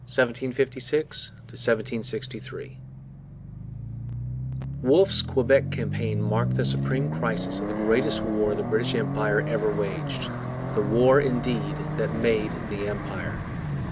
CHAPTER IV THE SEVEN YEARS' WAR, 1756 1763 Wolfe's Quebec campaign marked the supreme crisis of the greatest war the British Empire ever waged: the war, indeed, that made the Empire.